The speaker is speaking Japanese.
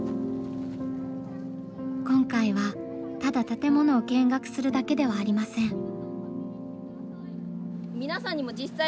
今回はただ建物を見学するだけではありません。